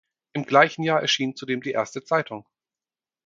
Im gleichen Jahr erschien zudem die erste Zeitung.